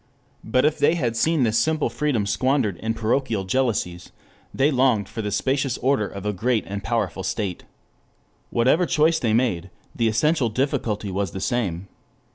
But if they had seen this simple freedom squandered in parochial jealousies they longed for the spacious order of a great and powerful state. Whichever choice they made, the essential difficulty was the same.